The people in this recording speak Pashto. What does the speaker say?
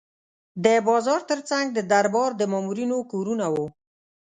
د بازار ترڅنګ د دربار د مامورینو کورونه وو.